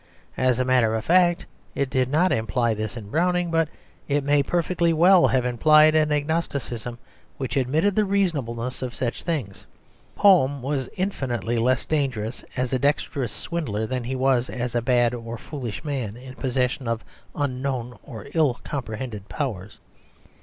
As a matter of fact it did not imply this in Browning, but it may perfectly well have implied an agnosticism which admitted the reasonableness of such things. Home was infinitely less dangerous as a dexterous swindler than he was as a bad or foolish man in possession of unknown or ill comprehended powers.